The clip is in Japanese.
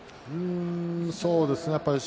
そうですね